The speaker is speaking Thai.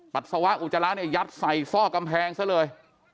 ปัสสาวะอุจจาระเนี่ยยัดใส่ซอกกำแพงซะเลย